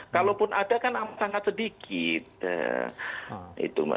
kalaupun ada kan sangat sedikit